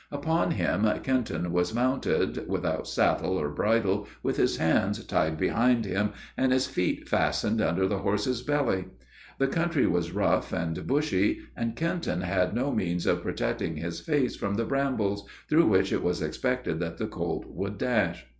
Upon him Kenton was mounted, without saddle or bridle, with his hands tied behind him, and his feet fastened under the horse's belly. The country was rough and bushy, and Kenton had no means of protecting his face from the brambles, through which it was expected that the colt would dash.